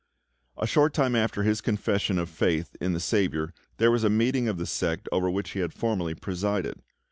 A short time after his confession of faith in the SAVIOUR there was a meeting of the sect over which he had formerly presided.